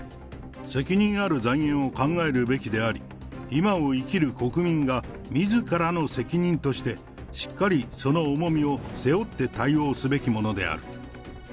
責任ある財源を考えるべきであり、今を生きる国民がみずからの責任として、しっかりその重みを背負って対応すべきものである。